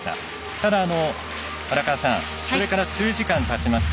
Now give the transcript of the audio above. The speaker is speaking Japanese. ただ、それから数時間たちました。